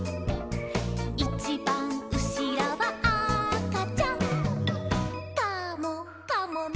「いちばんうしろはあかちゃん」「カモかもね」